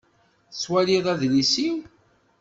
Tettwaliḍ adlis-iw?